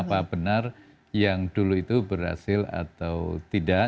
apa benar yang dulu itu berhasil atau tidak